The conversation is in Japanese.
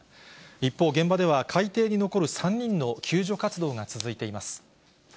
一方、現場では海底に残る３人の救助活動が続いています。